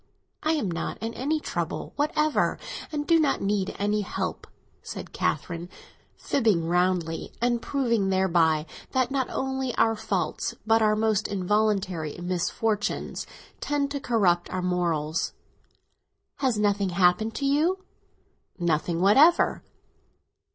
"I am not in any trouble whatever, and do not need any help," said Catherine, fibbing roundly, and proving thereby that not only our faults, but our most involuntary misfortunes, tend to corrupt our morals. "Has nothing happened to you?" "Nothing whatever."